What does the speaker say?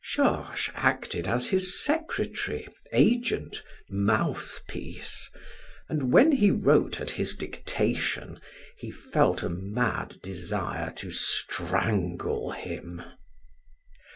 Georges acted as his secretary, agent, mouthpiece, and when he wrote at his dictation, he felt a mad desire to strangle him.